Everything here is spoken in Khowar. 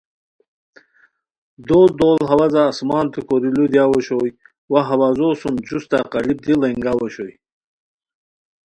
دوڑ دوڑ ہوازہ آسمانتو کوری لو دیاؤ اوشوئے وا ہوازو سُم جوستہ قالیپ دی ڑینگاؤ اوشوئے